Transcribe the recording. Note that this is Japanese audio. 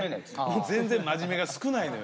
全然真面目が少ないのよ。